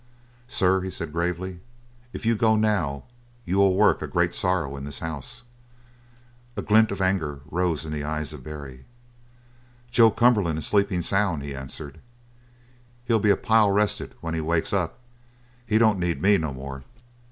"Sir," he said gravely, "if you go now, you will work a great sorrow in this house." A glint of anger rose in the eyes of Barry. "Joe Cumberland is sleepin' soun'," he answered. "He'll be a pile rested when he wakes up. He don't need me no more."